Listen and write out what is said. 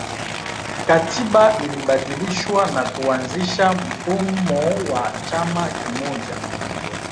katiba ilibadilishwa na kuanzisha mfumo wa chama kimoja